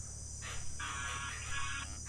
ډاکټر مدن کتاریا د خندا ګټې وازماوې.